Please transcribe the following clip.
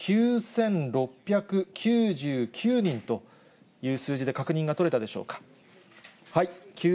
９６９９人という数字で、確認が取れたでしょうか。